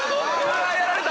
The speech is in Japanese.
あやられた！